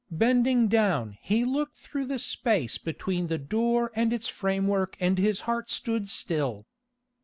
Bending down he looked through the space between the door and its framework and his heart stood still.